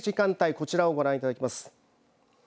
こちらをご覧いただきます。